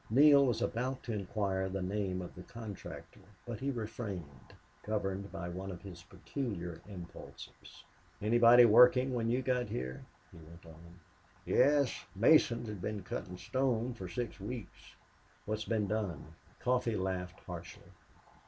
Neale was about to inquire the name of the contractor, but he refrained, governed by one of his peculiar impulses. "Anybody working when you got here?" he went on. "Yes. Masons had been cutting stone for six weeks." "What's been done?" Coffee laughed harshly.